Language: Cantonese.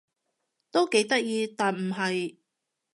都幾得意但唔係